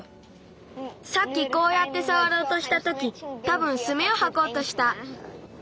さっきこうやってさわろうとしたときたぶんスミをはこうとした。